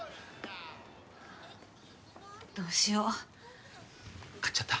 どうしよう買っちゃった？